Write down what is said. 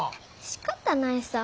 しかたないさ。